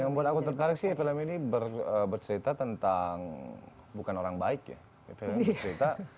yang buat aku tertarik sih film ini bercerita tentang bukan orang baik ya